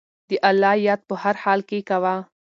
د الله یاد په هر حال کې کوه.